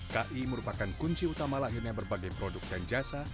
ki merupakan kunci utama lahirnya berbagai produk dan jasa